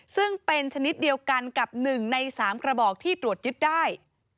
ซึ่งเป็นชนิดเดียวกันกับ๑ใน๓กระบอกที่ตรวจยึดได้